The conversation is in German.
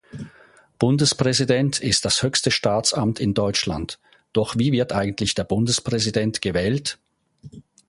Bundespräsident ist das höchste Staatsamt in Deutschland, doch wie wird eigentlich der Bundespräsident gewählt?